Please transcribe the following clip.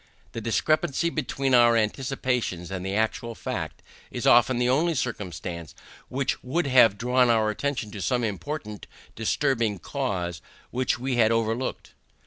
The discrepancy between our anticipations and the actual fact is often the only circumstance which would have drawn our attention to some important disturbing cause which we had overlooked.